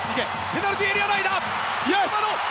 ペナルティーエリア内！